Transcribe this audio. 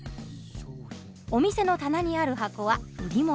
お店の棚にある箱は売り物。